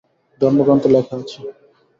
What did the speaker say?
ধর্মগ্রন্থে লেখা আছে।